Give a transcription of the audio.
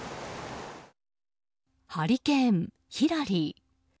ハリケーン、ヒラリー。